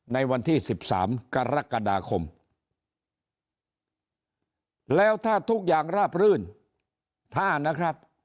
ในวันที่๑๓กรกฎาคมแล้วถ้าทุกอย่างราบรื่นถ้านะครับ